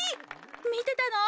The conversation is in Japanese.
みてたの？